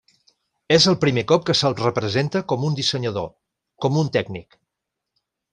És el primer cop que se'l representa com un dissenyador, com un tècnic.